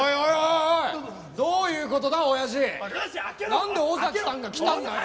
なんで尾崎さんが来たんだよ？